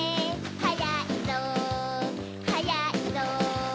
はやいぞはやいぞ